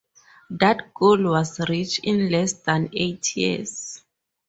That goal was reached in less than eight years.